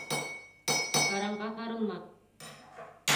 Һаранға һарылма.